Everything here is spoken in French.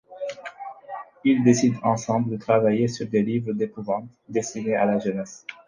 Ils décident ensemble de travailler sur des livres d'épouvante destinés à la jeunesse.